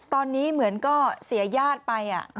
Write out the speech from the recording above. ตอนนี้เหมือนก็เสียญาติไป